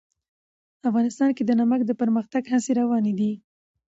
افغانستان کې د نمک د پرمختګ هڅې روانې دي.